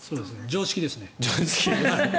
常識です。